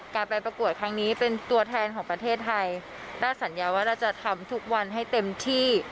การไปประกวดครั้งนี้เป็นตัวแทนของประเทศไทยได้สัญญาว่าเราจะทำทุกวันให้เต็มที่